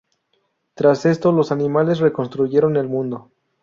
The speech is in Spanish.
Tras esto, los animales reconstruyeron el mundo.